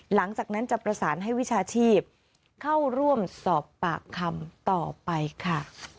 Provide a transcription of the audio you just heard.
หลังจากนั้นจะประสานให้วิชาชีพเข้าร่วมสอบปากคำต่อไปค่ะ